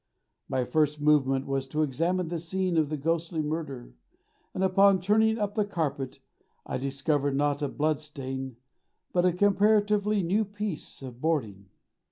My first movement was to examine the scene of the ghostly murder, and upon turning up the carpet, I discovered not a bloodstain, but a comparatively new piece of boarding!